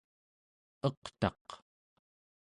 eqtaq